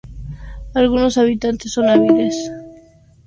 Algunos habitantes son hábiles ebanistas y tejedores de paja toquilla.